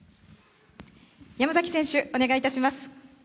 山崎選手、お願いいたします。